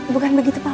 bukan begitu pak